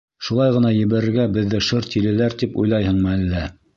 Шулай ғына ебәрергә беҙҙе шыр тилеләр тип уйлайһыңмы әллә.